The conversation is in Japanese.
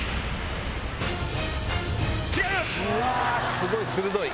すごい鋭い。